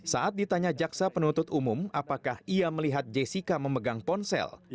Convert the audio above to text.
saat ditanya jaksa penuntut umum apakah ia melihat jessica memegang ponsel